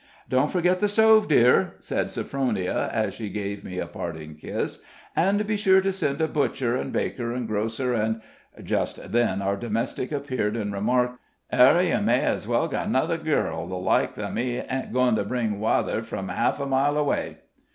"Don't forget the stove, dear," said Sophronia, as she gave me a parting kiss; "and be sure to send a butcher, and baker, and grocer, and " Just then our domestic appeared and remarked: "Arah ye may as well get another girl; the likes ai me isn't goin' to bring wather from half a mile away."